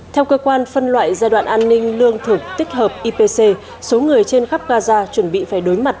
theo cơ quan phân loại giai đoạn an ninh lương thực tích hợp ipc số người trên khắp gaza chuẩn bị phải đối mặt